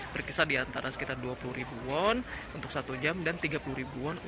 berkisar di antara sekitar dua puluh ribu won untuk satu jam dan tiga puluh ribu won